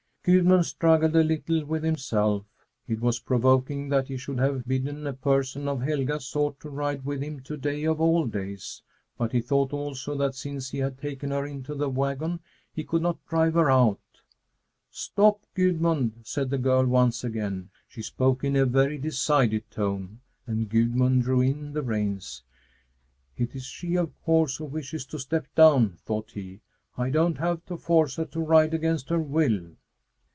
Gudmund struggled a little with himself. It was provoking that he should have bidden a person of Helga's sort to ride with him to day of all days! But he thought also that since he had taken her into the wagon, he could not drive her out. "Stop, Gudmund!" said the girl once again. She spoke in a very decided tone, and Gudmund drew in the reins. "It is she, of course, who wishes to step down," thought he. "I don't have to force her to ride against her will."